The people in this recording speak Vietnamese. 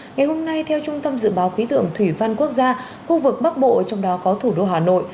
ngày hôm nay theo trung tâm dự báo khí tượng thủy văn quốc gia khu vực bắc bộ trong đó có thủ đô hà nội